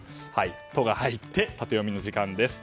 「ト」が入ってタテヨミの時間です。